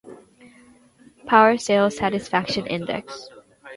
Power Sales Satisfaction Index.